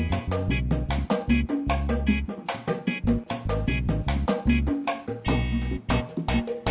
sampai jumpa di video selanjutnya